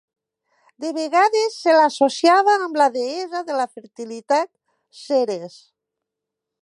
De vegades se l'associava amb la deessa de la fertilitat Ceres.